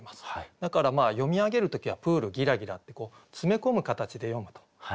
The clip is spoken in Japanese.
だから読み上げる時は「プールぎらぎら」って詰め込む形で読むと。